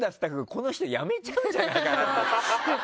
この人辞めちゃうんじゃないですか？